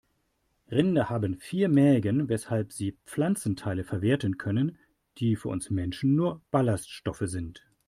Rinder haben vier Mägen, weshalb sie Pflanzenteile verwerten können, die für uns Menschen nur Ballaststoffe sind.